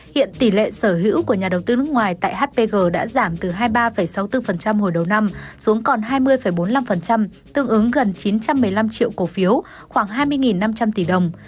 hiện tỷ lệ sở hữu của nhà đầu tư nước ngoài tại hpg đã giảm từ hai mươi ba sáu mươi bốn hồi đầu năm xuống còn hai mươi bốn mươi năm tương ứng gần chín trăm một mươi năm triệu cổ phiếu khoảng hai mươi năm trăm linh tỷ đồng